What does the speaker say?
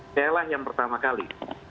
saya lah yang pertama kali